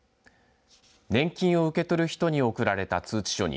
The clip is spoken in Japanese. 年金を受け取る人に送られた通知書に